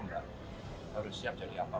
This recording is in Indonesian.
nggak harus siap jadi apa